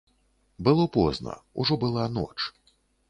Было позна, ужо была ноч.